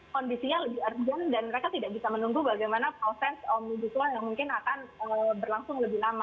kondisinya lebih urgent dan mereka tidak bisa menunggu bagaimana proses omnibus law yang mungkin akan berlangsung lebih lama